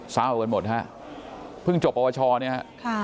เศร้ากันหมดฮะเพิ่งจบปวชเนี่ยฮะ